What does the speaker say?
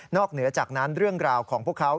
เหนือจากนั้นเรื่องราวของพวกเขา